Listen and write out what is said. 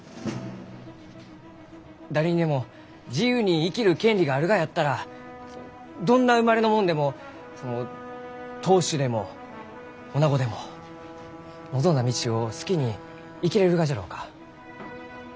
誰にでも自由に生きる権利があるがやったらどんな生まれの者でもその当主でもおなごでも望んだ道を好きに生きれるがじゃろうか？